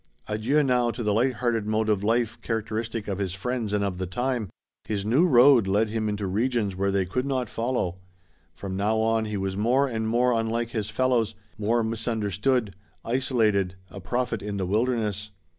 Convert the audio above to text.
Adieu now to the light hearted mode of life characteristic of his friends and of the time. His new road led him into regions where they could not follow; from now on he was more and more unlike his fellows, more misunderstood, isolated, a prophet in the wilderness.